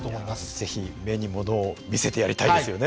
是非目にものを見せてやりたいですよね。